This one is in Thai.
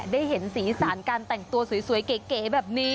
ได้เห็นสีสารการแต่งตัวสวยเก๋แบบนี้